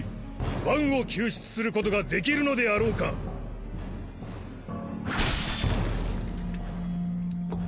バンを救出することができるのであろうかドスッ！